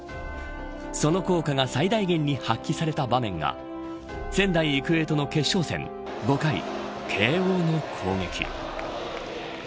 その効果が最大限に発揮された場面が仙台育英との決勝戦５回、慶応の攻撃。